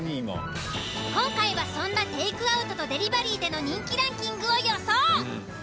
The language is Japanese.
今回はそんなテイクアウトとデリバリーでの人気ランキングを予想。